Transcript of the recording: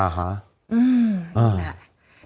อืม